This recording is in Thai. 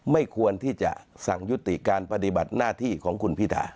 ไม่ควรที่จะสั่งยุติการปฏิบัติหน้าที่ของคุณพิธา